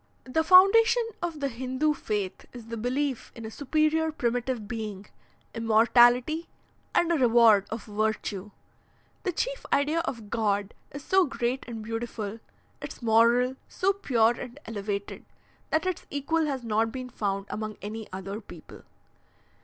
"The foundation of the Hindoo faith is the belief in a superior primitive being, immortality, and a reward of virtue. The chief idea of God is so great and beautiful, its moral so pure and elevated, that its equal has not been found among any other people.